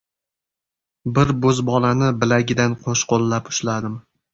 Bir bo‘zbolani bilagidan qo‘shqo‘llab ushladim.